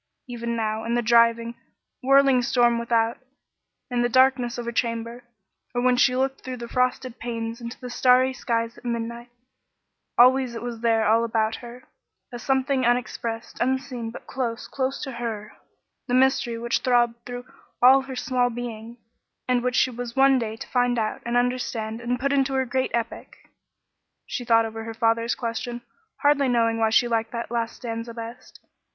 Even now, in the driving, whirling storm without, in the darkness of her chamber, or when she looked through the frosted panes into the starry skies at midnight, always it was there all about her, a something unexpressed, unseen, but close close to her, the mystery which throbbed through all her small being, and which she was one day to find out and understand and put into her great epic. She thought over her father's question, hardly knowing why she liked that last stanza best.